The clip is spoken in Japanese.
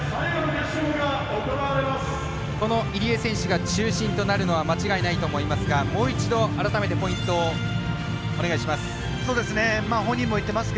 この入江選手が中心となるのは間違いないと思いますがもう一度、改めてポイントをお願いします。